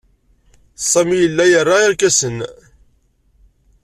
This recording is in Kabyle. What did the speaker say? Sami yella ira irkasen.